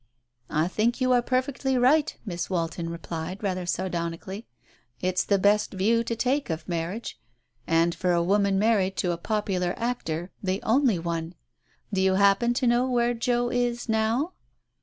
"I think you are perfectly right," Miss Walton replied rather sardonically. "It's the best view to take of marriage, and for a woman married to a popular actor, the only one. Do you happen to know where Joe is, now